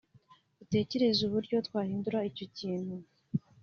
dutekereza uburyo twahindura icyo kintu